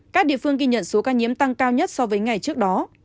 các địa phương ghi nhận số ca nhiễm tăng cao nhất so với ngày trước đó